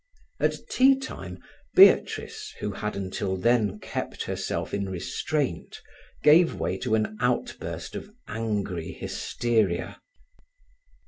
At tea time Beatrice, who had until then kept herself in restraint, gave way to an outburst of angry hysteria.